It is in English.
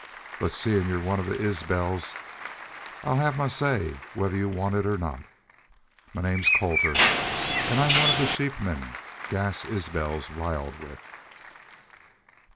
"But seein' you're one of the Isbels, I'll hev my say whether you want it or not. My name's Colter an' I'm one of the sheepmen Gass Isbel's riled with."